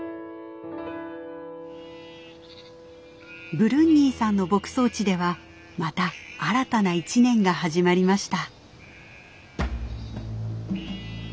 ブルンニーさんの牧草地ではまた新たな一年が始まりました。